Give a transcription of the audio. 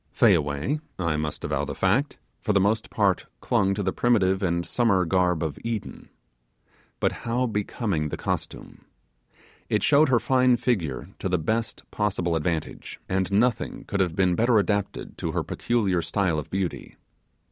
Fayaway I must avow the fact for the most part clung to the primitive and summer garb of Eden. But how becoming the costume! It showed her fine figure to the best possible advantage; and nothing could have been better adapted to her peculiar style of beauty.